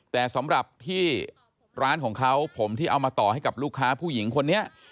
แต่สำหรับที่ร้านของเขาผมที่เอามาต่อให้กับลูกค้าผู้หญิงคนนี้